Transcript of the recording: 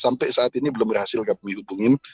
sampai saat ini belum berhasil kami hubungin